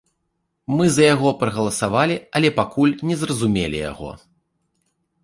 Мы за яго прагаласавалі, але пакуль не зразумелі яго.